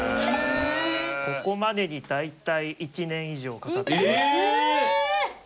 ここまでに大体１年以上かかってます。え！？